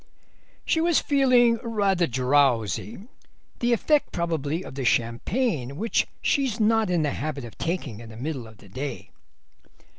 "She was feeling rather drowsy, the effect probably of the champagne, which she's not in the habit of taking in the middle of the day."